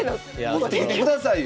持ってきてくださいよ。